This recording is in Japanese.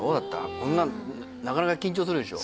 こんなんなかなか緊張するでしょ？